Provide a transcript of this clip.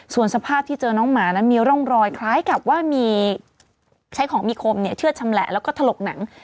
ส่วนสภาพที่เจอน้องหมานั้นมีร่องรอยคล้ายกับว่ามีใช้ของมีคมเชื่อดชำแหละแล้วก็ถลกหนัง